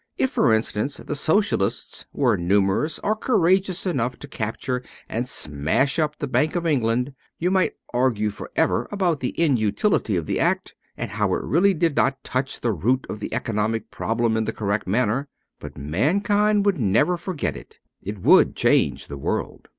If, for instance, the Socialists were numerous or courageous enough to capture and smash up the Bank of England you might argue for ever about the inutility of the act, and how it really did not touch the root of the economic problem in the correct manner. But mankind would never forget it. It would change the world.